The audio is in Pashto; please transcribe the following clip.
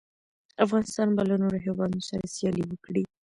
افغانستان به له نورو هېوادونو سره سیالي وکړي.